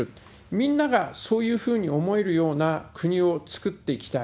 みんながそういうふうに思えるような国をつくっていきたい。